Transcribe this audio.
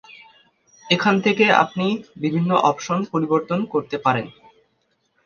এখান থেকে আপনি বিভিন্ন অপশন পরিবর্তন করতে পারেন।